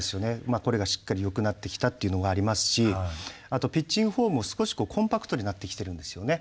これがしっかりよくなってきたっていうのがありますしあとピッチングフォームも少しコンパクトになってきてるんですよね。